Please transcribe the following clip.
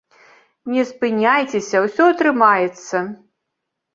Не спыняйцеся, усё атрымаецца.